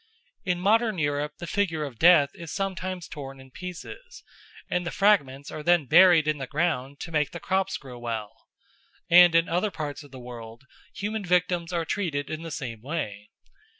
In modern Europe the figure of Death is sometimes torn in pieces, and the fragments are then buried in the ground to make the crops grow well, and in other parts of the world human victims are treated in the same way.